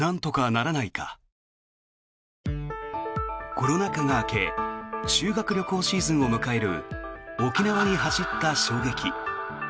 コロナ禍が明け修学旅行シーズンを迎える沖縄に走った衝撃。